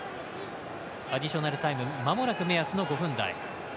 アディショナルタイムまもなく目安の５分台。